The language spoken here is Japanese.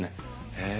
へえ。